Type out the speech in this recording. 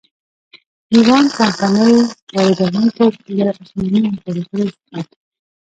لېوانټ کمپنۍ واردوونکو له عثماني امپراتورۍ څخه.